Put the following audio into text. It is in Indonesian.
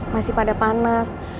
masih pada panas